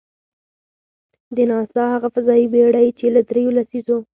د ناسا هغه فضايي بېړۍ، چې له درېیو لسیزو .